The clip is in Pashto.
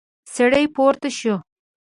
سړی پورته شو.